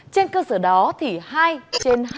trên cơ sở đó thì hai trên hai dịch vụ